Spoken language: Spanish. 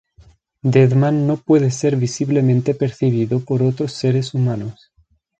Deadman no puede ser visiblemente percibido por otros seres humanos.